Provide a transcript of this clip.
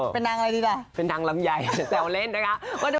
เป็นนางอะไรดีกว่าเป็นนางรำใหญ่แสวเล่นนะคะ